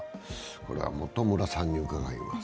これは元村さんに伺います。